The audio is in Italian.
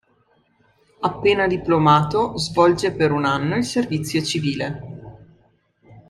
Appena diplomato, svolge per un anno il servizio civile.